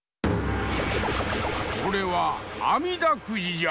これは「あみだくじ」じゃ！